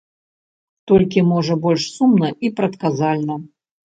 Толькі, можа, больш сумна і прадказальна.